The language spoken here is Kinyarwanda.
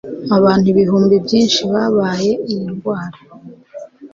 abantu ibihumbi byinshi babaye iyi ndwara